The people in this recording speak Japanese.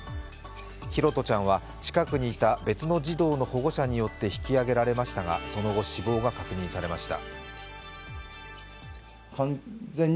拓杜ちゃんは近くにいた別の児童の保護者によって引き上げられましたがその後、死亡が確認されました。